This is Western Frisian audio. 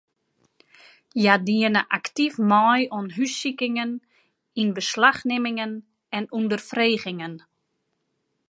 Hja diene aktyf mei oan hússikingen, ynbeslachnimmingen en ûnderfregingen.